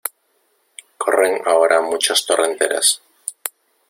corren ahora muchas torrenteras.